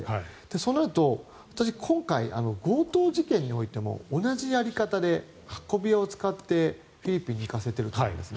そのあと私、今回強盗事件においても同じやり方で運び屋を使ってフィリピンに行かせていると思いますね。